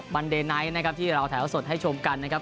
เดไนท์นะครับที่เราแถวสดให้ชมกันนะครับ